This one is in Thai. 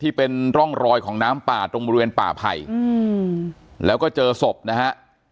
ที่เป็นร่องรอยของน้ำป่าตรงบริเวณป่าไผ่อืมแล้วก็เจอศพนะฮะ